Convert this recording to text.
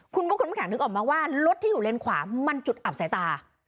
คุณบุ๊คคุณน้ำแข็งนึกออกมาว่ารถที่อยู่เลนขวามันจุดอับสายตา